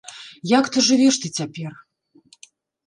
Як то жывеш ты цяпер?